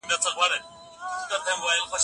فارابي وايي چي انسان بايد له نورو سره مرسته وکړي.